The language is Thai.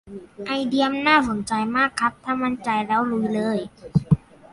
ไอเดียน่าสนใจมากครับ ถ้ามั่นใจแล้วลุยเลย